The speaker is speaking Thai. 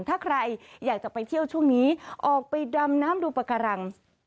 ถ้าใครอยากจะไปเที่ยวช่วงนี้ออกไปดำน้ำดูปากการัง